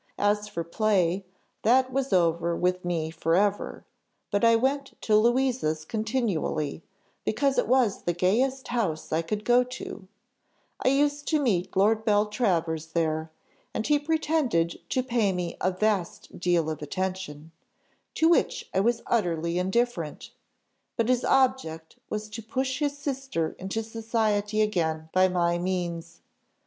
As for play, that was over with me for ever, but I went to Louisa's continually, because it was the gayest house I could go to; I used to meet Lord Beltravers there, and he pretended to pay me a vast deal of attention, to which I was utterly indifferent, but his object was to push his sister into society again by my means.